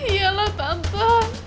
iya lah tante